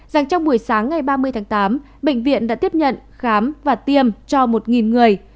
dành trong buổi sáng ngày ba mươi tháng tám bệnh viện đã tiếp nhận khám và tiêm cho một người